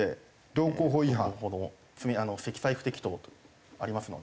道交法違反？道交法の積載不適当とありますので。